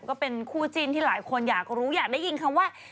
ก็เป็นคู่จิ้นที่หลายคนอยากรู้อยากได้ยินคำว่า